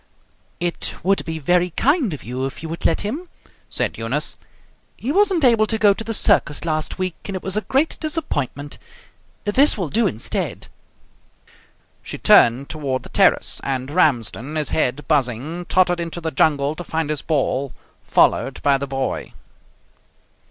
"It would be very kind of you if you would let him," said Eunice. "He wasn't able to go to the circus last week, and it was a great disappointment; this will do instead." She turned toward the terrace, and Ramsden, his head buzzing, tottered into the jungle to find his ball, followed by the boy.